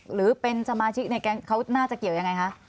หรือเป็นสมาชิกในแก๊งเขาน่าจะเกี่ยวยังไงคะ